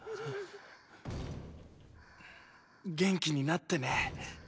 元気になってね。